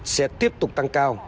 sẽ tiếp tục tăng cao